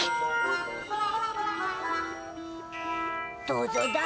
どうぞだ。